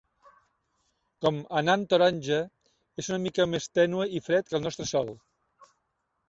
Com a nan taronja, és una mica més tènue i fred que el nostre Sol.